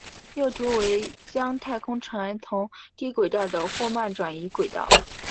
右图为将太空船从低轨道的霍曼转移轨道。